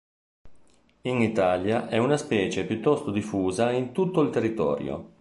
In Italia è una specie piuttosto diffusa in tutto il territorio.